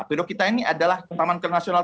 periuk kita ini adalah taman kenasungan